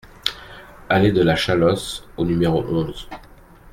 Allée de la Chalosse au numéro onze